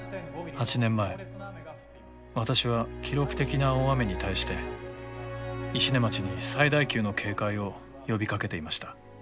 ８年前私は記録的な大雨に対して石音町に最大級の警戒を呼びかけていました。